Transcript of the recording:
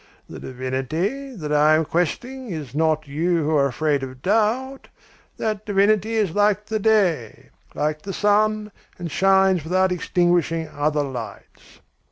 The divinity that I am questing is not you who are afraid of doubt. That divinity is like the day, like the sun, and shines without extinguishing other lights.